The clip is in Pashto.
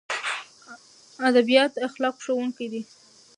ادبیات د اخلاقو ښوونکي دي.